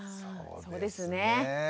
そうですね。